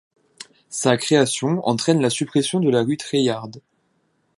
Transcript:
Sa création entraine la suppression de la rue Treilhard.